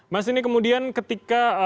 mas ini kemudian ketika